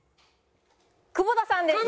久保田さんです！